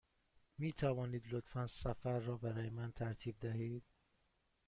می توانید لطفاً سفر را برای من ترتیب دهید؟